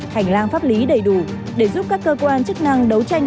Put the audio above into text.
hành lang pháp lý đầy đủ để giúp các cơ quan chức năng đấu tranh